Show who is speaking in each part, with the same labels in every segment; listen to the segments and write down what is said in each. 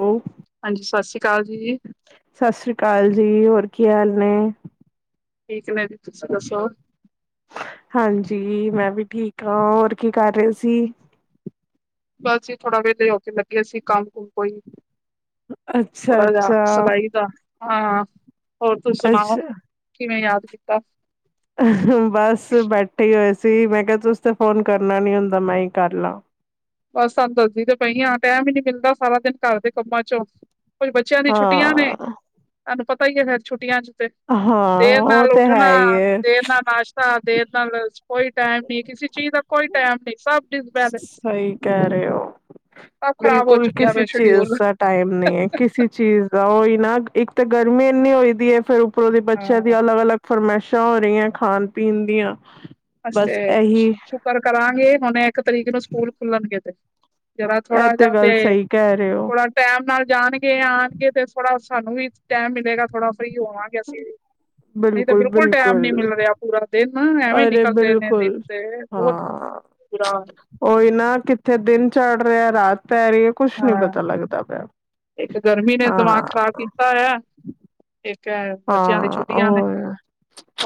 Speaker 1: ਓ
Speaker 2: ਹਾਂਜੀ ਸਤਿ ਸ੍ਰੀ ਅਕਾਲ ਜੀ।
Speaker 1: ਕਾਲ ਜੀ ਹੋਰ ਕੀ ਹਾਲ ਨੇ।
Speaker 2: ਠੀਕ ਮੈ।
Speaker 1: ਹਾਂਜੀ ਮੈਂ ਵੀ ਠੀਕ ਆ ਹੋਰ ਕੀ ਕਰ ਰਹੇ ਸੀ।
Speaker 2: ਬਸ ਹੀ ਥੋੜਾ ਵੇਲੇ ਹੋ ਕੇ ਲੱਗਿਆ ਸੀ ਕੰਮ ਕੁਮ ਕੋਈ ਥੋੜਾ ਜਹਾ
Speaker 1: ਅੱਛਾ-ਅੱਛਾ,
Speaker 2: ਸਿਲਾਈ ਦਾ ਹਾਂ। ਹੋਰ ਤੂੰ ਸੁਣਾਓ
Speaker 1: ਅੱਛਾ
Speaker 2: ਕਿਵੇੈਂ ਯਾਦ ਕੀਤਾ।
Speaker 1: ਬਸ ਬੈਠੇ ਹੀ ਹੋਏ ਸੀ ਮੈਂ ਕਿਹਾ ਤੁਸ ਤੇ ਫੋਨ ਕਰਨਾ ਨੀ ਹੁੰਦਾ ਮੈਂ ਹੀ ਕਰ ਲਾਂ
Speaker 2: ਬਸ ਸਾਨੂੰ ਦੱਸਦੀ ਤੇ ਪਈ ਹ ਟਾਈਮ ਹੀ ਨੀ ਮਿਲਦਾ ਸਾਰਾ ਦਿਨ ਘਰਦੇ ਕੰਮਾਂ ਚੋਂ ਕੁਝ ਬੱਚਿਆਂ ਦੀ ਛੁੱਟੀਆਂ ਨੇ
Speaker 1: ਹਾਂ,
Speaker 2: ਤੁਹਾਨੂੰ ਪਤਾ ਹੀ ਹੈ ਫੇਰ ਛੁੱਟੀਆਂ ਚ ਤੇ
Speaker 1: ਹਾਂ
Speaker 2: ਦੇਰ
Speaker 1: ਉਹ
Speaker 2: ਨਾਲ
Speaker 1: ਤੇ
Speaker 2: ਉੱਠਣਾ
Speaker 1: ਹੈ ਹੀ ਏ।
Speaker 2: ਦੇਰ ਨਾਲ ਨਾਸ਼ਤਾ ਦੇਰ ਨਾਲ ਕੋਈ ਟਾਈਮ ਨੀ ਕਿਸੇ ਚੀਜ਼ ਦਾ ਕੋਈ ਕੋਈ ਟਾਈਮ ਨਹੀਂ ਸਬ ਡਿਸਬੈਲਂਸ
Speaker 1: ਕਹ ਰਿਓ
Speaker 2: ਹੋ
Speaker 1: ਬਿਲਕੁਲ
Speaker 2: ਚੁੱਕਿਆ
Speaker 1: ਕਿਸੇ
Speaker 2: ਵਾ
Speaker 1: ਚੀਜ਼
Speaker 2: ਸ਼ਡਿਊਲ
Speaker 1: ਦਾ ਟਾਈਮ ਨਹੀਂ ਹੈ ਕਿਸੇ ਚੀਜ਼ ਦਾ ਉਹੀ ਨਾ ਇੱਕ ਤਾਂ ਗਰਮੀ ਇੰਨੀ ਹੋਈ ਹੈ ਫੇਰ ਉੱਪਰੋਂ ਦੀ
Speaker 2: ਹਾਂ
Speaker 1: ਬੱਚਿਆਂ ਦੀ ਅਲੱਗ ਅਲੱਗ ਫਰਮੈਸ਼ ਹੋ ਰਹੀਆਂ ਖਾਣ ਪੀਣ ਦੀਆਂ
Speaker 2: ਅਸੀ
Speaker 1: ਬਸ
Speaker 2: ਤੇ
Speaker 1: ਇਹੀ
Speaker 2: ਸ਼ੁਕਰ ਕਰਾਂਗੇ ਹੁਣ ਇੱਕ ਤਰੀਕ ਨੂੰ ਸਕੂਲ ਖੁੱਲਣਗੇ ਤੇ ਜਰਾ
Speaker 1: ਇਹ
Speaker 2: ਥੋੜਾ ਜਾ ਤੇ
Speaker 1: ਗੱਲ ਸਹੀ ਕਹਿ ਰਹੇ ਹੋ
Speaker 2: ਥੋੜਾ ਟੈਮ ਨਾਲ ਜਾਣਗੇ ਆਉਣਗੇ ਤੇ ਥੋੜਾ ਸਾਨੂੰ ਵੀ ਟਾਈਮ ਮਿਲੇਗਾ ਥੋੜਾ ਫਰੀ ਹੋਵਾਂਗੇ ਅਸੀ ਵੀ, ਨਹੀਂ ਤਾਂ ਬਿਲਕੁਲ ਟੈਮ ਨੀ
Speaker 1: ਬਿਲਕੁਲ-ਬਿਲਕੁਲ
Speaker 2: ਮਿਲ ਰਿਹਾ ਪੂਰਾ ਦਿਨ ਐਵੇਂ ਨ
Speaker 1: ਅਰੇ ਬਿਲਕੁਲ ਹਾਂ
Speaker 2: ਬੁਰਾ
Speaker 1: ਉਹੀ ਨਾ ਕਿ ਇੱਥੇ ਦਿਨ ਚੜ ਰਿਹਾ ਰਾਤ ਪੈ ਰਹੀ ਹੈ ਕੁਛ ਨੀ
Speaker 2: ਹਾਂ
Speaker 1: ਪਤਾ ਲੱਗਦਾ ਪਿਆ
Speaker 2: ਇੱਕ ਗਰਮੀ ਨੇ ਦਿਮਾਗ ਖ਼ਰਾਬ ਕੀਤਾ ਹੋਇਆ ਤੇ ਕ ਬੱਚਿਆਂ ਦੀ
Speaker 1: ਹਾਂ-ਹਾਂ
Speaker 2: ਛੁੱਟੀਆਂ ਨੇ
Speaker 1: ਉਹ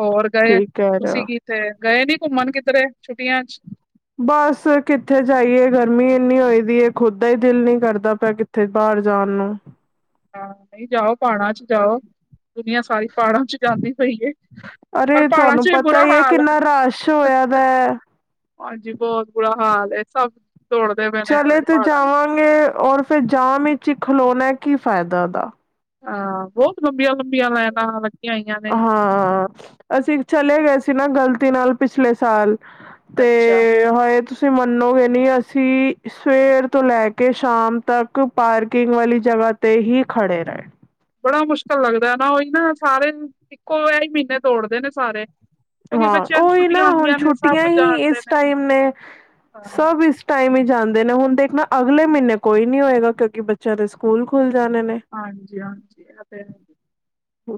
Speaker 2: ਹੋਰ ਗਏ
Speaker 1: ਠੀਕ ਕਹਿ ਰਹੇ
Speaker 2: ਤੁਸੀਂ
Speaker 1: ਹੋ
Speaker 2: ਕਿਤੇ ਗਏ ਨੀ ਘੁੰਮਣ ਕਿੱਧਰੇ ਛੁੱਟੀਆਂ ਚ
Speaker 1: ਬਸ ਕਿੱਥੇ ਜਾਈਏ ਗਰਮੀ ਇੰਨੀ ਹੋਈ ਦੀ ਖੁੱਦ ਦਾ ਹੀ ਦਿਲ ਨੀ ਕਰਦਾ ਪਿਆ ਕਿੱਥੇ ਬਾਹਰ ਜਾਣ ਨੂੰ
Speaker 2: ਹਾਂ ਨਹੀਂ ਜਾਓ ਪਹਾੜਾਂ ਚ ਜਾਓ ਦੁਨੀਆਂ ਸਾਰੀ ਪਹਾੜਾਂ ਚ ਜਾਂਦੀ ਪਈ ਏ
Speaker 1: ਅਰੇ ਤੁਹਾਨੂੰ ਪਤਾ ਹੈ ਕਿੰਨਾ ਰਸ਼ ਹੋਇਆ ਦਾ ਹੈ
Speaker 2: ਹਾਂਜੀ ਬਹੁਤ ਬੁਰਾ ਹਾਲ ਸਭ ਦੌੜਦੇ ਪਏ ਨੇ
Speaker 1: ਚਲੇ
Speaker 2: ਐਵੇਂ
Speaker 1: ਤੇ
Speaker 2: ਪਹਾੜਾਂ ਚ
Speaker 1: ਜਾਵਾਂਗੇ ਔਰ ਫੇਰ ਜਾਮ ਚ ਹੀ ਖਲੋਣਾ ਕੀ ਫਾਇਦਾ ਉਹਦਾ
Speaker 2: ਹਾਂ ਬਹੁਤ ਲੰਬੀਆਂ ਲੰਬੀਆਂ ਲਾਈਨਾਂ ਹੋਈਆਂ ਨੇ
Speaker 1: ਹਾਂ ਅਸੀਂ ਚਲੇ ਗਏ ਸੀ ਨਾ ਗ਼ਲਤੀ ਨਾਲ ਪਿਛਲੇ ਸਾਲ ਤੇ
Speaker 2: ਅੱਛਾ
Speaker 1: ਹਾਏ ਤੁਸੀਂ ਮੰਨੋਗੇ ਨੀ ਅਸੀਂ ਸੀ ਸਵੇਰ ਤੋਂ ਲੈ ਕੇ ਸ਼ਾਮ ਤੱਕ ਪਾਰਕਿੰਗ ਵਾਲੀ ਜਗ੍ਹਾ ਤੇ ਹੀ ਖੜੇ ਰਹੇ
Speaker 2: ਬੜਾ ਮੁਸ਼ਕਿਲ ਲੱਗਦਾ ਨਾ ਉਹੀ ਨਾ ਸਾਰੇ ਇੱਕੋ ਇਹ ਹੀ ਮਹੀਨੇ ਤੋੜਦੇ ਨੇ ਸਾਰੇ ਕਿਉਂਕਿ
Speaker 1: ਹਾਂ
Speaker 2: ਬੱਚਿਆਂ ਨੂੰ
Speaker 1: ਉਹੀ
Speaker 2: ਛੁੱਟੀਆਂ
Speaker 1: ਨਾ ਹੁਣ
Speaker 2: ਹੁੰਦੀਆਂ ਨੇ ਸਭ
Speaker 1: ਛੁੱਟੀਆਂ ਹੀ
Speaker 2: ਜਾਣਦੇ
Speaker 1: ਇਸ ਟਾਈਮ ਨੇ ਸਭ
Speaker 2: ਹਾਂ
Speaker 1: ਇਸ ਟਾਈਮ ਹੀ ਜਾਂਦੇ ਨੇ ਹੁਣ ਦੇਖਣਾ ਅਗਲੇ ਮਹੀਨੇ ਕੋਈ ਨੀ ਹੋਏਗਾ ਕਿਉਂਕਿ ਬੱਚਿਆਂ ਦੇ ਸਕੂਲ ਖੁੱਲਦੇ
Speaker 2: ਹਾਂਜੀ ਹਾਂਜੀ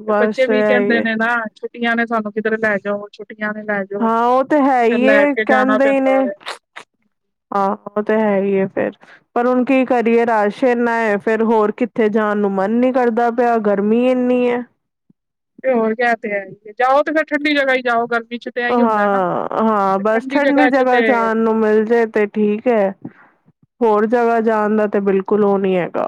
Speaker 2: ਤੇ ਬੱਚੇ
Speaker 1: ਬਸ
Speaker 2: ਵੀ
Speaker 1: ਹੈ ਹੀ
Speaker 2: ਕਹਿੰਦੇ
Speaker 1: ਹੈ।
Speaker 2: ਨੇ ਨਾ ਛੁੱਟੀਆਂ ਨੇ ਸਾਨੂੰ ਕਿਧਰੇ ਲੈ ਜਾਓ ਛੁੱਟੀਆਂ ਵੀ ਲੈ ਜਾਓ
Speaker 1: ਹਾਂ ਉਹ ਤੇ ਹੈ
Speaker 2: ਫ਼ੇਰ
Speaker 1: ਹੀ
Speaker 2: ਲੈ ਕੇ ਜਾਣਾ ਪੈਂਦਾ ਹੈ
Speaker 1: ਆਹ ਉਹ ਤਾਂ ਹੈ ਫਿਰ ਪਰ ਹੁਣ ਕੀ ਕਰੀਏ ਰਸ਼ ਇੰਨਾ ਹੈ ਫੇਿਰ ਹੋਰ ਕਿੱਥੇ ਜਾਣ ਨੂੰ ਮਨ ਨੀ ਕਰਦਾ ਗਰਮੀ ਇੰਨੀ ਹੈ
Speaker 2: ਤੇ ਹੋਰ ਕਿਆ ਤੇ ਹੈ ਹੀ ਜਾਓ ਤੇ ਫੇਰ ਠੰਡੀ ਜਗ੍ਹਾ ਹੀ ਜਾਓਗਾ
Speaker 1: ਹਾਂ ਹਾਂ ਬਸ ਠੰਡੀ
Speaker 2: ਚ ਤੇ
Speaker 1: ਜਗ੍ਹਾ ਜਾਣ ਨੂੰ ਮਿਲ ਜਾਏ ਤੇ ਠੀਕ ਹੈ ਹੋਰ ਜਗ੍ਹਾ ਜਾਣ ਦਾ ਤੇ ਬਿਲਕੁਲ ਉਹ ਨਹੀਂ ਹੈਗਾ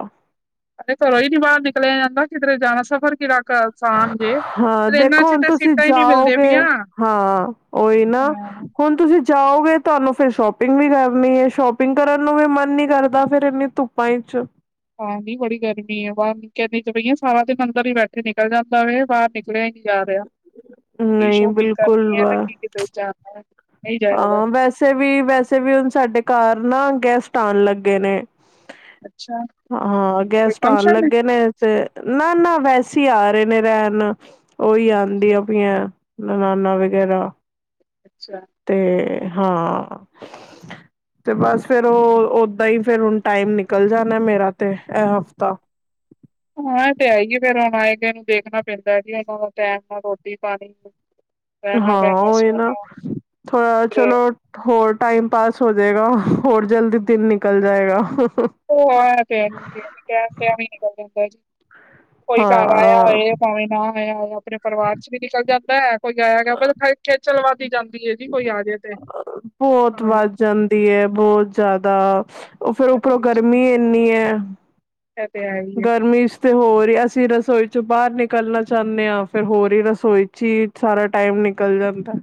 Speaker 2: ਘਰੋਂ ਹੀ ਨੀ ਬਾਹਰ ਨਿਕਲਿਆ ਜਾਂਦਾ ਕਿਧਰੇ ਜਾਣਾ ਸਫ਼ਰ ਕਿਹੜਾ ਆਸਾਨ ਜੇ
Speaker 1: ਹਾਂ
Speaker 2: ਟ੍ਰੇਨਾਂ
Speaker 1: ਦੇਖੋ
Speaker 2: ਚ
Speaker 1: ਹੁਣ
Speaker 2: ਤਾਂ
Speaker 1: ਤੁਸੀਂ
Speaker 2: ਸੀਟਾਂ ਹੀ ਨਹੀਂ ਮਿਲਦੇ
Speaker 1: ਜਾਓਗੇ
Speaker 2: ਪਈਆਂ
Speaker 1: ਹਾਂ ਉਹੀ ਨਾ
Speaker 2: ਹਾਂ
Speaker 1: ਹੁਣ ਤੁਸੀਂ ਜਾਓਗੇ ਤੁਹਾਨੂੰ ਫਿਰ ਸ਼ੋਪਿੰਗ ਵੀ ਕਰਨੀ ਹੈ ਸ਼ੋਪਿੰਗ ਕਰਨ ਨੂੰ ਵੀ ਮਨ ਨੀ ਕਰਦਾ ਫੇਰ ਇਨੀ ਧੁੱਪਾਂ ਵਿਚ
Speaker 2: ਬਈਆ ਸਵਾ ਦੇ ਅੰਦਰ ਹੀ ਬੈਠੇ ਨਿਕਲ ਜਾਂਦਾ ਬਾਹਰ ਨਿਕਲਿਆ ਹੀ ਨ ਜਾ ਰਿਹਾ ਕੀ
Speaker 1: ਨਹੀਂ
Speaker 2: ਸ਼ੋਪਿੰਗ
Speaker 1: ਬਿਲਕੁਲ
Speaker 2: ਕਰਨੀ ਹੈ ਤੇ
Speaker 1: ਵਾ
Speaker 2: ਕੀ ਕਿਤੇ ਜਾਣਾ ਹੈ ਨਹੀਂ ਜਾਇਆ
Speaker 1: ਹਾਂ
Speaker 2: ਜਾਂਦਾ
Speaker 1: ਵੈਸੇ ਵੀ ਵੈਸੇ ਵੀ ਹੁਣ ਸਾਡੇ ਘਰ ਨਾ ਗੈਸਟ ਆਉਣ ਲੱਗੇ ਨੇ
Speaker 2: ਅੱਛਾ
Speaker 1: ਹਾਂ ਅੱਗੇ
Speaker 2: ਕੋਈ
Speaker 1: ਸਟਾਲ
Speaker 2: ਫੰਕਸ਼ਨ ਹੈ
Speaker 1: ਲੱਗੇ ਨੇ ਨਾ ਨਾ ਵੈਸੇ ਅਸੀਂ ਆ ਰਹੇ ਨੇ ਰਹਿਣ ਉਹੀ ਆਉਂਦੀਆਂ ਆਪੀਆਂ ਨਨਾਨਾ ਵਗੈਰਾ
Speaker 2: ਅੱਛਾ
Speaker 1: ਤੇ ਹਾਂ ਤੇ ਬਸ ਫੇਿਰ ਓਦਾਂ ਹੀ ਫਰ ਹੁ ਟਾਈਮ ਨਿਕਲ ਜਾਣਾ ਮੇਰਾ ਤੇ ਇਹ ਹਫ਼ਤਾ
Speaker 2: ਹਾਂ ਇਹ ਤੇ ਹੈ ਹੀ ਹੈ, ਫਿਰ ਹੁਣ ਆਏ ਨੂੰ ਦੇਖਣਾ ਪੈਂਦਾ ਜੀ ਇਹਨਾਂ ਟੈਮ ਨਾਲ ਰੋਟੀ ਪਾਣੀ ਰਹਿਣਾ
Speaker 1: ਹਾਂ
Speaker 2: ਬਹਿਣਾ
Speaker 1: ਉਹਹੀ ਨਾ
Speaker 2: ਸੋਣਾ
Speaker 1: ਥੋੜਾ
Speaker 2: ਕਿਧਰੇ
Speaker 1: ਚਲੋ ਹੋਰ ਟਾਈਮ ਪਾਸ ਹੋਜਏਗਾ ਹੋਰ ਜਲਦੀ ਦਿਨ ਨਿਕਲ ਜਾਏਗਾ
Speaker 2: ਉਹ ਆ ਤੇ ਤ ਵੀ ਨਿਕਲ ਕੋਈ ਘਰ ਆਇਆ
Speaker 1: ਹਾਂ
Speaker 2: ਹੋਏ ਭਾਵੇਂ ਨਾ ਆਇਆ ਹੋਆ ਆਪਣੇ ਪਰਿਵਾਰ ਚ ਵੀ ਨਿਕਲ ਜਾਂਦਾ ਹੈ ਕੋਈ ਗਯਾ ਆਇਆ ਗਿਆ ਬਲ ਖੇਚਲ ਵਾੱਦੀ ਜਾਂਦੀ ਹੈ ਜੀ ਕੋਈ ਆ ਜੇ ਤੇ
Speaker 1: ਬਹੁਤ
Speaker 2: ਹਾਂ
Speaker 1: ਵੱਧ ਜਾਂਦੀ ਹੈ ਬਹੁਤ ਜ਼ਿਆਦਾ ਉਹ ਫੇਿਰ ਉਪਰੋਂ ਗਰਮੀ ਇੰਨੀ ਹੈ
Speaker 2: ਹਮ, ਇਹ ਤੇ ਹੈ ਹੀ ਹੈ
Speaker 1: ਗਰਮੀ ਚ ਤੇ ਹੋਰ ਹੀ ਅਸੀਂ ਰਸੋਈ ਚੋਂ ਬਾਹਰ ਨਿਕਲਣਾ ਚਾਹੁੰਦੇ ਆਾਂ ਫਿਰ ਹੋਰ ਹੀ ਰਸੋਈ ਚ ਹੀ ਸਾਰਾ ਟਾਈਮ ਨਿਕਲ ਜਾਂਦਾ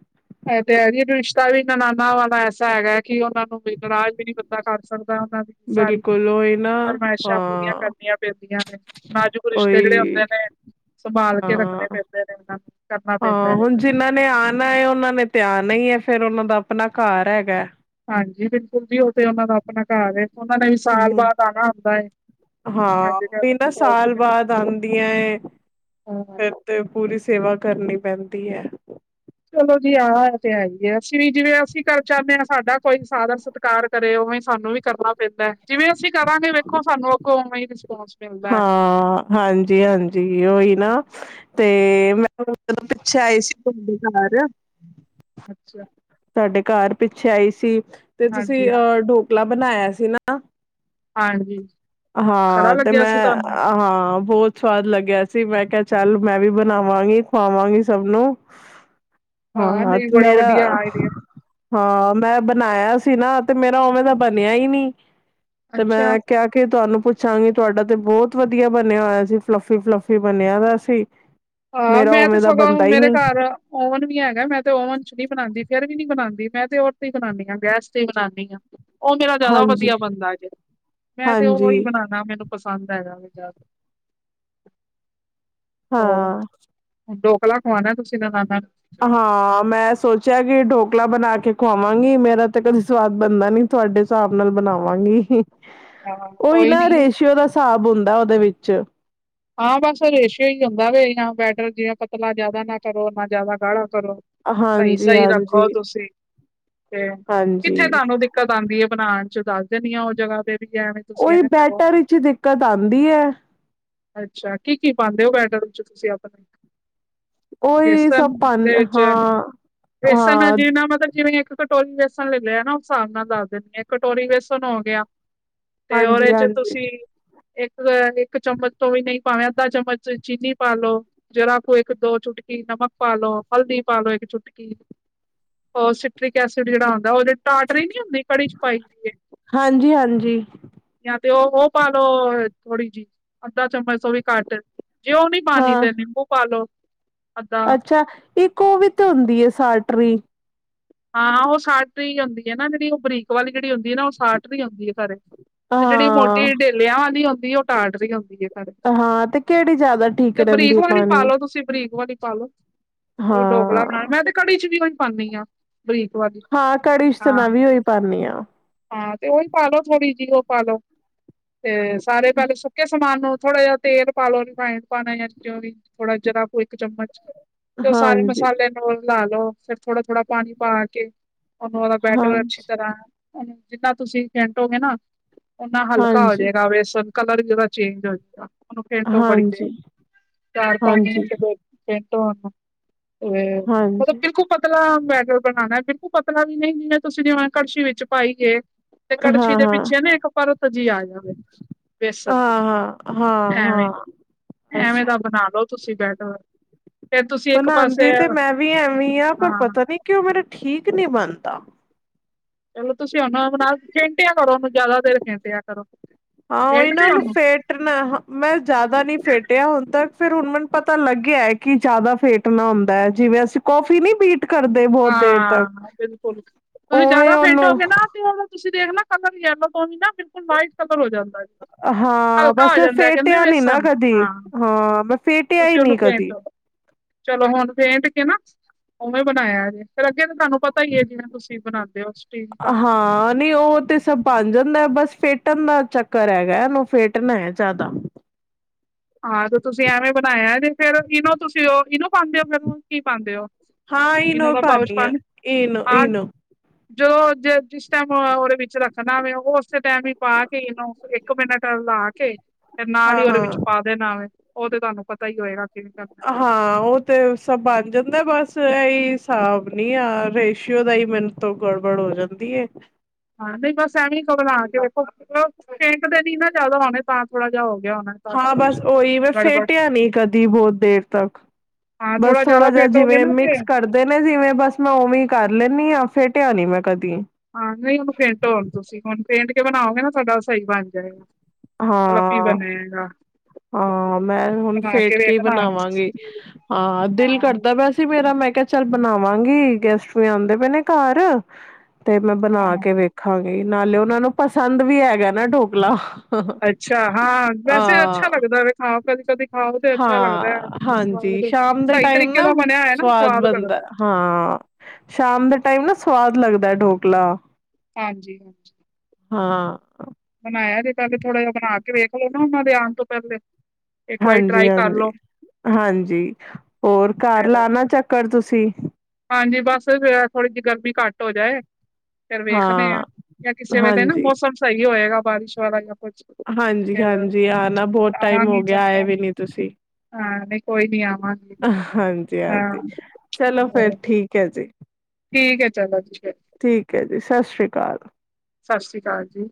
Speaker 2: ਤੇ ਰਿਸ਼ਤਾ ਵੀ ਨ ਨਾਨਾਵਾ ਐਸਾ ਹੈਗਾ ਕਿ ਉਹਨਾਂ ਨੂੰ ਨਰਾਜ਼ ਵੀ ਨੀ ਬੰਦਾ ਕਰ ਸਕਦਾ ਉਹਨਾਂ ਦੀ ਸਾਰੀ
Speaker 1: ਬਿਲਕੁਲ ਉਹੀ ਨਾ
Speaker 2: ਫਰਮਾਇਸ਼ਾਂ ਪੂਰੀਆਂ
Speaker 1: ਹਾਂ
Speaker 2: ਕਰਨੀਆਂ ਪੈਂਦੀਆਂ ਨੇ ਨਾਜੂਕ ਰਿਸ਼ਤੇ ਜਿਹੜੇ
Speaker 1: ਉਹੀ
Speaker 2: ਮੈਂਮ
Speaker 1: ਹਾਂ
Speaker 2: ਕਰਨਾ ਪੈਂਦਾ
Speaker 1: ਹਾਂ
Speaker 2: ਹੈ
Speaker 1: ਹੁਣ ਜਿਨਾਂ ਨੇ ਆਉਣਾ ਹੈ ਉਹਨਾਂ ਨੇ ਉਹ ਨੇ ਤੇ ਆਨਾ ਹੀਂ ਹੈ ਫੇਿਰ ਉਹਨਾਂ ਦਾ ਆਪਣਾ ਘਰ ਹੈਗਾ
Speaker 2: ਹਾਂਜੀ ਬਿਲਕੁਲ ਜੀ ਉਹ ਤੇ ਉਹਨਾਂ ਦਾ ਆਪਣਾ ਘਰ ਹੈ ਉਹਨਾਂ ਨੇ ਵੀ ਸਾਲ
Speaker 1: ਹਮ
Speaker 2: ਬਾਅਦ ਆਉਣਾ ਹੁੰਦਾ
Speaker 1: ਹਾਂ ਉਹੀ
Speaker 2: ਅੱਜ-ਕੱਲ੍ਹ
Speaker 1: ਨਾ
Speaker 2: ਹੋਰ
Speaker 1: ਸਾਲ
Speaker 2: ਕਿਤੇ
Speaker 1: ਬਾਅਦ ਆਉਂਦੀਆਂ ਏ
Speaker 2: ਹਾਂ,
Speaker 1: ਫਿਰ ਤੇ ਪੂਰੀ ਸੇਵਾ ਕਰਨੀ ਪੈਂਦੀ ਹੈ
Speaker 2: ਚਲੋ ਜੀ ਆਹ ਤੇ ਆਈਏ ਅਸੀਂ ਵੀ ਜਿਵੇਂ ਅਸੀਂ ਕਰਰ ਚਦੇ ਹਾਂ ਸਾਡਾ ਕੋਈ ਸਾਧਨ ਸਤਿਕਾਰ ਕਰੇ ਉਵੇਂ ਸਾਨੂੰ ਵੀ ਕਰਨਾ ਪੈਂਦਾ ਜਿਵੇਂ ਅਸੀਂ ਕਰਾਂਗੇ ਵੇਖੋ ਸਾਨੂੰ ਅੱਗੋਂ ਉਵੇਂ ਰਿਸਪੋਂਸ ਮਿਲਦਾ ਐ।
Speaker 1: ਹਾਂ ਹਾਂਜੀ-ਹਾਂਜੀ ਉਓਹੀ ਨਾ ਤੇ ਮੈਂ ਜਦੋਂ ਪਿੱਛੇ ਆਏ ਸੀ ਤੁਹਾਡੇ ਘਰ
Speaker 2: ਅੱਛਾ
Speaker 1: ਤੁਡੇ ਘਰ ਪਿੱਛੇ ਆਈ ਸੀ ਤੇ
Speaker 2: ਹਾਂਜੀ-ਹਾਂਜੀ,
Speaker 1: ਤੁਸੀਂ ਅਹ ਢੋਕਲਾ ਬਣਾਇਆ ਸੀ ਨਾ
Speaker 2: ਹਾਂਜੀ, ਹਾਂਜੀ, ਖਰਾ
Speaker 1: ਹਾਂ ਤੇ
Speaker 2: ਲੱਗਿਆ ਸੀ
Speaker 1: ਮੈਂ
Speaker 2: ਤੁਹਾਨੂੰ?
Speaker 1: ਹਾਂ ਬਹੁਤ ਸਵਾਦ ਲੱਗਿਆ ਸੀ ਮੈਂ ਕਿਹਾ ਚੱਲ ਮੈਂ ਵੀ ਬਣਾਵਾਂਗੀ ਖਵਾਵਾਂਗੀ ਸਭ ਨੂੰ
Speaker 2: ਹਾਂ,
Speaker 1: ਹਾਂ-ਹਾਂ
Speaker 2: ਨਹੀਂ
Speaker 1: ਤੇ
Speaker 2: ਬੜਾ
Speaker 1: ਮੇਰਾ
Speaker 2: [inaudible]
Speaker 1: ਹਾਂ ਮੈਂ ਬਣਾਇਆ ਸੀ ਨਾ ਤੇ ਮੇਰਾ ਉਵੇਂ ਦਾ ਬਣਿਆ ਹੀ ਨੀ ਤੇ
Speaker 2: ਅੱਛਾ
Speaker 1: ਮੈਂ ਕਿਹਾ ਕੇ ਤੁਹਾਨੂੰ ਪੁੱਛਾਂਗੀ ਤੁਹਾਡਾ ਤੇ ਬਹੁਤ ਵਧੀਆ ਬਣਿਆ ਹੋਇਆ ਸੀ ਫਲੱਫੀ-ਫਲੱਫੀ ਬਣਿਆਇ ਸੀ
Speaker 2: ਹਾਂ
Speaker 1: ਮੇਰਾ
Speaker 2: ਮੈਂ ਤੇ
Speaker 1: ਉਵੇਂ ਦਾ
Speaker 2: ਸਗੋਂ
Speaker 1: ਬਣਦਾ ਹੀ
Speaker 2: ਮੇਰੇ
Speaker 1: ਨੀ
Speaker 2: ਘਰ ਓਵਨ ਵੀ ਹੈਗਾ ਮੈਂ ਤੇ ਓਵਨ ਚ ਨਹੀਂ ਬਣਾਉਂਦੀ ਕੁਕਰ ਵੀ ਨੀ ਬਣਾਉਂਦੀ ਮੈਂ ਤੇ ਔਸਤੇ ਹੀ ਬਣਾਉਦੀ ਹਾਂ ਗੈਸ ਤੇ ਹੀ ਬਣਾਉਂਦੀ ਹਾਂ ਉਹ ਮੇਰਾ ਜਿਆਦਾ
Speaker 1: ਹਾਂਜੀ
Speaker 2: ਵਧੀਆ ਬਣਦਾ ਜੇ ਮੈਂ ਤੇ
Speaker 1: ਹਾਂਜੀ
Speaker 2: ਉਹੀ ਬਣਾਉਾ ਮੈਨੂੰ ਪਸੰਦ ਆ ਜਾਵੇ ਜ਼ਿਆਦਾ ਹੋਰ
Speaker 1: ਹਾਂ
Speaker 2: ਢੋਕਲਾ ਖਵਾਉਣਾ ਤੁਸੀਂ ਨਨਾਨਾ ਨੂੰ
Speaker 1: ਹਾਂ ਮੈਂ ਸੋਚਿਆ ਕਿ ਡੋ ਕਲਾ ਬਣਾ ਕੇ ਖਵਾਵਾਂਗੀ ਮੇਰਾ ਤੇ ਕਦੀ ਸਵਾਦ ਬਣਦਾ ਨੀ ਤੁਹਾਡੇ ਹਿਸਾਬ ਨਾਲ ਬਣਾਵਾਂਗੀ
Speaker 2: ਹਾਂ
Speaker 1: ਉਹਹੀ
Speaker 2: ਕੋਈ
Speaker 1: ਨਾ
Speaker 2: ਨੀ
Speaker 1: ਰੇਸ਼ੀਓ ਦਾ ਹਿਸਾਬ ਹੁੰਦਾ ਉਹਦੇ ਵਿੱਚ
Speaker 2: ਹਾਂ ਬਸ ਰੇਸ਼ਓ ਹੀ ਹੁੰਦਾ ਵ ਬੈਟਰ ਜਿਵੇਂ ਪਤਲਾ ਜ਼ਿਆਦਾ ਨਾ ਕਰੋ ਨਾ ਜ਼ਿਆਦਾ ਗਾੜਾ ਕਰੋ
Speaker 1: ਹਾਂਜੀ,
Speaker 2: ਸਹੀ-ਸਹੀ
Speaker 1: ਹਾਂਜੀ,
Speaker 2: ਰੱਖੋ ਤੁਸੀਂ ਤੇ ਕਿੱਥੇ
Speaker 1: ਹਾਂਜੀ
Speaker 2: ਤੁਹਾਨੂੰ ਦਿੱਕਤ ਆਉਂਦੀ ਹੈ ਬਣਾਉਣ ਚ ਦੱਸ ਦੇਂਦੀਆਂ ਉਹ ਜਗ੍ਹਾ ਤੇ ਵੀ ਐਵੇਂ ਤੁਸੀਂ
Speaker 1: ਉਹੀ
Speaker 2: ਐਵੇਂ ਕਰੋ
Speaker 1: ਬੈਟਰੀ ਚ ਦਿੱਕਤ ਆਉਂਦੀ ਹੈ
Speaker 2: ਅੱਛਾ ਕੀ-ਕੀ ਪਾਉਦੇ ਹੋ ਬੈਟਰ ਵਿੱਚ ਤੁਸੀਂ ਆਪਣੇ
Speaker 1: ਉਹੀ ਸਭ
Speaker 2: ਬੇਸਨ
Speaker 1: ਪਾਨ
Speaker 2: ਦੇ ਵਿੱਚ
Speaker 1: ਹਾਂ,
Speaker 2: ਬੇਸਨ
Speaker 1: ਹਾਂ
Speaker 2: ਜਿਨਾ ਮਤਲਬ ਜਿਵੇਂ ਕਟੋਰੀ ਵੇਸਣ ਲੈ ਲਿਆ ਨਾ ਉਸ ਹਿਸਾਬ ਨਾਲ ਦੱਸ ਦਿੰਦੇ ਆ ਕਟੋਰੀ ਵੇਸਨ ਹੋ ਗਿਆ ਤੇ
Speaker 1: ਹਾਂਜੀ,
Speaker 2: ਉਹਦੇ ਚ
Speaker 1: ਹਾਂਜੀ,
Speaker 2: ਤੁਸੀਂ ਇੱਕ ਇੱਕ ਚਮਚ ਤੋਂ ਵੀ ਨਹੀਂ ਪਾਵੇਂ ਅੱਧਾ ਚਮਚ ਚੀਨੀ ਪਾਾਲ ਲੋ ਜਰਾ ਖ ਇੱਕ ਦੋ ਚੁਟਕੀ ਨਮਕ ਪਾਾਲ ਲੋ ਹਲਦੀ ਪਾਲੋ ਇੱਕ ਚੁਟਕੀ ਉਹ ਸਟ੍ਰਿਕ ਐਸਿਡ ਜਿਹੜਾ ਹੁੰਦਾ ਉਹ ਟਾਟਰੀ ਨੀ ਹੁੰਦੀ ਕੜੀ ਚ ਪਾਈ ਦੀ
Speaker 1: ਹਾਂਜੀ ਹਾਂਜੀ
Speaker 2: ਜਾਂ ਤੇ ਉਹ ਉਹ ਪਾ ਲੋੋ ਥੋੜੀ ਜਿਹੀ ਅੱਧਾ ਚਮਚ ਉਹ ਵੀ ਕੱਟ ਜੇ ਉਹ ਨੀ ਪਾਣੀ
Speaker 1: ਹਾਂ
Speaker 2: ਤੇ ਨਿੰਬੂ ਪਾਲ ਲੋ ਅੱਧਾ
Speaker 1: ਅੱਛਾ ਇੱਕ ਉਹ ਵੀ ਤਾਂ ਹੁੰਦੀ ਟਾਟਰੀ
Speaker 2: ਹਾਂ ਉਹ ਸਾਟਰੀ ਹੁੰਦੀ ਹੈ ਨਾ ਜਿਹੜੀ ਉਹ ਬਰੀਕ ਵਾਲੀ ਜਿਹੜੀ ਹੁੰਦੀ ਹੈ ਨਾ ਉਹ ਸਾਟਰੀ ਆਉਂਦੀ ਹੈ ਘਰ ਤੇ ਜਿਹੜੀ
Speaker 1: ਹਾਂ,
Speaker 2: ਮੋਟੀ ਡੇਲਿਆਂ ਵਾਲੀ ਹੁੰਦੀ ਉਹ ਟਾਟਰੀ ਰਹੀ ਹੁੰਦੀ ਹੈ
Speaker 1: ਹਾਂ ਤੇ ਕਿਹੜੀ ਜ਼ਿਆਦਾ ਠੀਕ
Speaker 2: ਤੇ
Speaker 1: ਰਹਿੰਦੀ
Speaker 2: ਬਰੀਕ
Speaker 1: ਹੈ
Speaker 2: ਵਾਲੀ
Speaker 1: ਪਾਣੀ
Speaker 2: ਪਾਲੋ ਤੁਸੀਂ ਬਰੀਕ ਵਾਲੀ ਪਾਾਲੋ ਉਹ ਡੋਕਲਾ
Speaker 1: ਹਾਂ
Speaker 2: ਬਣਾਉਣਾ ਮੈਂ ਤੇ ਘੜੀ ਚ ਵੀ ਹੁਣ ਪਾਉਂਦੀ ਹਾਂ ਬਰੀਕ ਵਾਲੀ
Speaker 1: ਹਾਂ ਕੜੀ ਚ ਤੇ
Speaker 2: ਹਾਂ
Speaker 1: ਮੈਂ ਵੀ ਉਹੀ ਪਾਨੀ ਆ
Speaker 2: ਹਾਂ ਤੇ ਉਹੀ ਪਾਲੋ ਥੋੜੀ ਜਿਹੀ ਉਹ ਪਾ ਲੋ ਤੇ ਸਾਰੇ ਪਹਿਲੇ ਸੁੱਕੇ ਸਮਾਨ ਨੂੰ ਥੋੜਾ ਜਿਹਾ ਤੇਲ ਪਾਾਲੋ ਰਿਫਾਈੰਡ ਪਾਣਾ ਕਿਂ ਵੀ ਥੋੜਾ ਜਿਰਾ ਇੱਕ ਚਮਚ ਤੇ ਉਹ ਸਾਰੇ
Speaker 1: ਹਾਂਜੀ
Speaker 2: ਮਸਾਲੇ ਨੂੰ ਲਾ ਲੋ ਫਿਰ ਥੋੜਾ ਥੋੜ੍ਹਾ ਪਾਣੀ ਪਾ ਕੇ ਨੂੰ ਉਹਦਾ ਬੈਟਰ ਅੱਛੀ
Speaker 1: ਹਾਂਜੀ
Speaker 2: ਤਰ੍ਹਾਂ ਜਿੰਨਾ ਤੁਸੀਂ ਫੈਂਟੋਗੇ ਨਾ ਓਨਾ ਹਲਕਾ ਹੋ
Speaker 1: ਹਾਂਜੀ
Speaker 2: ਜਾਏਗਾ ਬੇਸਨ ਕਲਰ ਵੀ ਉਹਦਾ ਚੇਂਜ ਹੋ ਜਾਏਗਾ ਉਹਨੂੰ ਫੇਰ ਤੋਂ ਬੜੀ ਦੇ
Speaker 1: ਹਾਂਜੀ
Speaker 2: ਚਾਰ ਪਾਣੀ
Speaker 1: ਹਾਂਜੀ
Speaker 2: ਤੋਂ ਤੇ ਮਤਲਬ
Speaker 1: ਹਾਂਜੀ
Speaker 2: ਬਿਲਕੁਲ ਪਤਲਾ ਮੈਂ ਬਣਾਉਣਾ ਬਿਲਕੁਲ ਪਤਾ ਵੀ ਨਹੀਂ ਜਿਵੇਂ ਤੁਸੀਂ ਨੇ ਕੜਛੀ ਵਿੱਚ ਪਾਈ ਹੈ ਤੇ ਕੜਛੀ
Speaker 1: ਹਾਂ
Speaker 2: ਦੇ
Speaker 1: ਹਾਂ
Speaker 2: ਪਿੱਛੇ ਨਾ ਇੱਕ ਪਰਤ ਜੀ ਆ ਜਾਵੇ ਬੇਸਣ
Speaker 1: ਹਾਂ ਹਾਂ ਹਾਂ
Speaker 2: ਐਵੇਂ
Speaker 1: ਹਾਂ
Speaker 2: ਐਵੇਂ
Speaker 1: ਅੱਛਾ
Speaker 2: ਤਾਂ ਬਣਾ ਲੋ ਤੁਸੀਂ ਬੈਟਰ ਫੇਰ ਤੁਸੀਂ ਇੱਕ
Speaker 1: ਬਣਾਉਦੀ
Speaker 2: ਪਾਸੇ
Speaker 1: ਤੇ ਮੈਂ ਵੀ ਐਵੇਂ ਹੀ ਆ ਪਰ
Speaker 2: ਹਾਂ
Speaker 1: ਪਤਾ ਨੀ ਕਿ ਉਹ ਮੇਰਾ ਠੀਕ ਨਹੀਂ ਬਣਦਾ
Speaker 2: ਚਲੋ ਤੁਸੀਂ ਉਹਨਾ ਨਾਲ ਫੈਂਟਿਆ ਕਰੋ ਉਹਨੂੰ ਜ਼ਿਆਦਾ ਦੇਰ ਫੈਂਟਿਆ ਕਰੋ
Speaker 1: ਹਾਂ ਇਹਨਾਂ
Speaker 2: ਫੇਟਦੇ
Speaker 1: ਨੂੰ
Speaker 2: ਉਹਨੂੰ
Speaker 1: ਫੇਟਣਾ ਮੈਂ ਜ਼ਿਆਦਾ ਨਹੀਂ ਫੇਟਿਆ ਹੁਣ ਤੱਕ ਫਿਰ ਹੁਣ ਮੈਨੂੰ ਪਤਾ ਲੱਗਿਆ ਹੈ ਕਿ ਜਿਆਦਾ ਫੇਟ ਨਾ ਹੁੰਦਾ ਹੈ ਜਿਵੇਂ ਅਸੀਂ ਕੌਫੀ ਨੀ ਬੀਟ ਕਰਦੇ ਬਹੁਤ ਦੇਰ ਤੱਕ
Speaker 2: ਹਾਂ ਬਿਲਕੁਲ ਤੁਸੀਂ ਜਿਆਦਾ
Speaker 1: ਉਵੇਂ
Speaker 2: ਫਿੰਡ
Speaker 1: ਉਹਨੂੰ
Speaker 2: ਹੋਗੇ ਨਾ ਤੇ ਉਹ ਤੁਸੀਂ ਦੇਖ ਨਾ ਕਲਰ ਯੈਲੋ ਤੋਂ ਵੀ ਨਾ ਬਿਲਕੁਲ ਵਾਈਟ ਕਲਰ ਹੋ ਜਾਂਦਾ
Speaker 1: ਹਾਂ
Speaker 2: ਹਲਕਾ
Speaker 1: ਬਸ
Speaker 2: ਹੋ
Speaker 1: ਮੈਂ
Speaker 2: ਜਾਂਦਾ ਕਹਿੰਦੇ
Speaker 1: ਫੇਟਿਆ ਨੀ ਨਾ
Speaker 2: ਬੇਸਣ
Speaker 1: ਕਦੀ
Speaker 2: ਹਾਂ
Speaker 1: ਹਾਂ ਮੈਂ ਫੇਟਿਆ ਹੀ
Speaker 2: ਤੁਸੀਂ ਉਹਨੂੰ
Speaker 1: ਨਹੀਂ ਕਦੀ
Speaker 2: ਫੇਟ ਚਲੋ ਹੁਣ ਵੇਟ ਕੇ ਨਾ ਉਵੇਂ ਬਣਾਇਆ ਜੇ ਫਿਰ ਅੱਗੇ ਤੇ ਤੁਹਾਨੂੰ ਪਤਾ ਹੀ ਹੈ ਜਿਵੇਂ ਤੁਸੀਂ ਬਣਾਉਂਦੇ ਹੋ ਸਟੀਮ ਤੱਕ
Speaker 1: ਹਾਂ ਨਹੀਂ ਉਹ ਤੇ ਸਭ ਬਣ ਜਾਂਦਾ ਬਸ ਫੇਰ ਫੈਂਟਣਾ ਦਾ ਚੱਕਰ ਹੈਗਾ ਇਹਨੂੰ ਫੇਟਣਾ ਹੈ ਜ਼ਿਆਦਾ
Speaker 2: ਹਾਂ ਤੇ ਤੁਸੀਂ ਐਵੇਂ ਬਣਾਇਆ ਤੇ ਫੇਰ ਇਹਨੂੰ ਤੁਸੀਂ ਉਹ ਇਹਨੂੰ ਪਾਉਂਦੇ ਹੋ ਫੇਰ ਕੀ ਪਾਉਂਦੇ ਹੋ
Speaker 1: ਹਾਂ
Speaker 2: ਇਨੋ
Speaker 1: ਈਨੋ
Speaker 2: ਦਾ ਪਾਊਚ
Speaker 1: ਭਰਨੀ ਆ
Speaker 2: ਪਾਂਦੇ
Speaker 1: ਇਨੋ
Speaker 2: ਹਾਂ
Speaker 1: ਇਨੋ
Speaker 2: ਜਦੋਂ ਜ ਜਿਸ ਟਾਈਮ ਉਹਦੇ ਵਿੱਚ ਰੱਖਣਾ ਵ ਉਹ ਉਸ ਟਾਈਮ ਹੀ ਪਾ ਕੇ ਇਨੋ ਇੱਕ ਮਿੰਟ ਲਾ ਕੇ ਤੇ ਨਾਲ
Speaker 1: ਹਾਂ
Speaker 2: ਹੀ ਉਹਦੇ
Speaker 1: ਹਾਂ
Speaker 2: ਵਿੱਚ ਪਾ ਦੇਣਾਵੇ ਉਹ ਤੇ ਤੁਹਾਨੂੰ ਪਤਾ ਹੀ ਹੋਏਗਾ ਕਿਵੇਂ ਕਰਨਾ।
Speaker 1: ਹਾਂ ਉਹ ਤੇ ਸਭ ਬਣ ਜਾਂਦਾ ਬਸ ਹੀ ਹਿਸਾਬ ਨੀ ਆ ਰੇਸ਼ੀਓ ਦਾ ਹੀ ਮੈਨ ਤੋਂ ਗੜਬੜ ਹੋ ਜਾਂਦੀ ਹੈ
Speaker 2: ਹਾਂ ਨਹੀਂ ਬਸ ਕਵਰ ਆ ਕੇ ਫੈਂਟ ਦੇ ਨ ਨਾ ਜਿਆਦਾ ਆਉਣੇ ਤਾਂ ਥੋੜਾ ਜਾਿਹਾ ਹੋ ਗਿਆ ਹੋਣਾ ਤੁਹਾਡਾ
Speaker 1: ਹਾਂ
Speaker 2: ਕੁਛ
Speaker 1: ਬਸ ਓਹੀ ਮੈਂ
Speaker 2: ਗੜਬੜ
Speaker 1: ਫੇਟਿਆ ਨਹੀਂ ਕਦੀ ਬਹੁਤ ਦੇਰ ਤੱਕ
Speaker 2: ਹਾਂ
Speaker 1: ਬਸ ਥੋੜਾ
Speaker 2: ਜਿਆਦਾ
Speaker 1: ਜਿਹਾ
Speaker 2: ਫੇਟੋਗੇ
Speaker 1: ਜਿਵੇਂ
Speaker 2: ਨਾ ਤੇ
Speaker 1: ਮਿਕਸ ਕਰਦੇ ਨੇ ਜਿਵੇਂ ਬਸ ਮੈਂ ਉਵੇਂ ਕਰ ਲੈ ਨੀ ਆ ਫੇਟਿਆ ਨੀ ਮੈਂ ਕਦੀ
Speaker 2: ਹਾਂ ਨਹੀਂ ਉਹਨੂੰ ਫੈਂਟੋ ਤੁਸੀਂ ਹੁਣ ਫੈਂਟ ਕੇ ਬਣਾਓਗੇ ਨਾ ਸਾਡਾ ਸਹੀ ਬਣ ਜਾਏਗਾ ਫਲਫੀ
Speaker 1: ਹਾਂ,
Speaker 2: ਬਣੇਗਾ
Speaker 1: ਹਾਂ ਮੈਂ ਹੁਣ
Speaker 2: ਬਣਾ
Speaker 1: ਫੇਟ ਕੇ ਹੀ
Speaker 2: ਵੇਖਣਾ ਹੁਣ
Speaker 1: ਬਣਾਵਾਂਗੀ ਹਾਂ ਦਿਲ ਕਰਦਾ ਵੈਸੇ ਮੇਰਾ ਮੈਂ ਕਿਹਾ ਚਲ ਬਣਾਵਾਂਗੀ ਗੈਸਟ ਵੀ ਆਉਂਦੇ ਪਏ ਨੇ ਘਰ ਤੇ ਮੈਂ ਬਣਾ
Speaker 2: ਹਾਂ
Speaker 1: ਕੇ ਵੇਖਾਂਗੀ ਨਾਲੇ ਉਹਨਾ ਨੂੰ ਪਸੰਦ ਵੀ ਹੈਗਾ ਨਾ ਢੋਕਲਾ
Speaker 2: ਅੱਛਾ ਹਾਂ ਵੈਸੇ ਅੱਛਾ
Speaker 1: ਹਾਂ,
Speaker 2: ਲੱਗਦਾ ਵੇਖਾਂ ਕਦੀ ਕਦੇ
Speaker 1: ਹਾਂ ਹਾਂਜੀ ਸ਼ਾਮ ਦੇ
Speaker 2: ਸਹੀ
Speaker 1: ਟਾਈਮ
Speaker 2: ਤਰੀਕੇ
Speaker 1: ਨਾ
Speaker 2: ਦਾ ਬਣਿਆ ਹੋਇਆ ਨਾ
Speaker 1: ਸਵਾਦ ਬਣਦਾ
Speaker 2: ਲੱਗਦਾ
Speaker 1: ਹਾਂ ਸ਼ਾਮ ਦੇ ਟਾਈਮ ਨਾ ਸਵਾਦ ਲੱਗਦਾ ਢੋਕਲਾ
Speaker 2: ਹਾਂਜੀ, ਹਾਂਜੀ
Speaker 1: ਹਾਂ।
Speaker 2: ਮੈਂ ਜੀਦਾ ਧੋੜਾ ਜਹਾ ਤੇ ਪਹਿਲੇ ਥੋੜਾ ਜਿਹਾ ਬਣਾ ਕੇ ਵੇਖ ਲੋ ਨਾ ਉਹਨਾਂ ਦੇ ਆਉਣ ਤੋਂ ਪਹਿਲੇ ਇੱਕ ਵਾਰੀ
Speaker 1: ਹਾਂਜੀ,
Speaker 2: ਟਰਾਈ ਕਰ
Speaker 1: ਹਾਂਜੀ,
Speaker 2: ਲੋ
Speaker 1: ਹਾਂਜੀ ਹੋਰ ਘਰ
Speaker 2: ਫੇਰ
Speaker 1: ਲਾਣਾ ਚੱਕਰ ਤੁਸੀਂ ਸੀ।
Speaker 2: ਹਾਂਜੀ, ਬਸ ਥੋੜੀ ਜਿਹੀ ਗਰਮੀ ਘੱਟ ਹੋ ਜਾਏ। ਫੇਰ ਵੇਖਦੇ ਹਾਂ ਜਾਂ ਕਿਸੇ ਵੇਲੇ ਨਾ
Speaker 1: ਹਾਂਜੀ।
Speaker 2: ਮੌਸਮ ਸਹੀ ਹੋਏਗਾ, ਬਾਰਿਸ਼ ਵਾਲਾ ਜਾਂ ਕੁਛ ਫੇਰ
Speaker 1: ਹਾਂਜੀ-ਹਾਂਜੀ ਆਣਾ ਬਹੁਤ ਟਾਈਮ ਹੋ
Speaker 2: ਲਾਵਾਂਗੀ
Speaker 1: ਗਿਆ
Speaker 2: ਚਕਰ ਹਾਂ। ਨਹੀਂ ਕੋਈ ਨੀ ਆਵਾਂਗੀ
Speaker 1: ਹਾਂਜੀ, ਹਾਂਜੀ ਚਲੋ ਫਿਰ
Speaker 2: ਹਾਂ
Speaker 1: ਠੀਕ ਹੈ ਜੀ।
Speaker 2: ਠੀਕ ਹੈ ਚਲੋ ਜੀ।
Speaker 1: ਠੀਕ ਹੈ ਜੀ ਸਤਿ ਸ੍ਰੀ ਅਕਾਲ।
Speaker 2: ਸਤਿ ਸ਼੍ਰੀ ਅਕਾਲ ਜੀ।